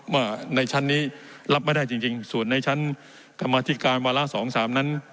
ว่าในชั้นนี้รับไม่ได้จริงจริงส่วนในชั้นกรรมาธิการวาลาสองสามนั้น